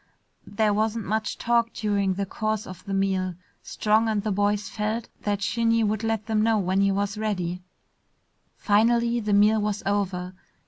There wasn't much talk during the course of the meal. Strong and the boys felt that Shinny would let them know when he was ready. Finally the meal was over.